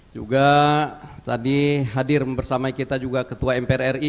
juga tadi hadir bersama kita juga ketua mpr ri